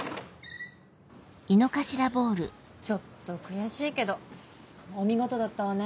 ちょっと悔しいけどお見事だったわね